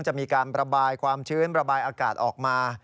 จะมีการประบายความชื้นระบายอากาศออกมา